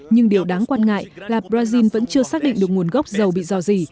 nhưng điều đáng quan ngại là brazil vẫn chưa xác định được nguồn gốc dầu bị dò dỉ